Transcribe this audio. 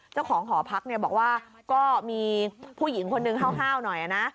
เจ้าของหอพักบอกว่าก็มีผู้หญิงคนหนึ่งเท่าหน่อยนะ